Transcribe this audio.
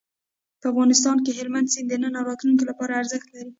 په افغانستان کې هلمند سیند د نن او راتلونکي لپاره ارزښت لري.